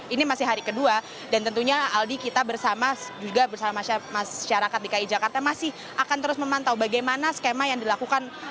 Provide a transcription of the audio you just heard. ini masih hari kedua dan tentunya aldi kita bersama juga bersama masyarakat dki jakarta masih akan terus memantau bagaimana skema yang dilakukan